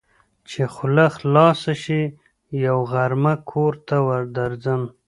چې خوله خلاصه شي؛ يوه غرمه کور ته درځم.